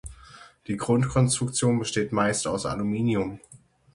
Die Grundkonstruktion besteht meist aus Aluminium.